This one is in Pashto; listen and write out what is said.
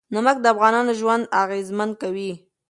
نمک د افغانانو ژوند اغېزمن کوي.